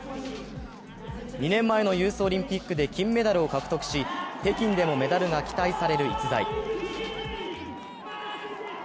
２年前のユースオリンピックで金メダルを獲得し、北京でもメダルが期待される逸材。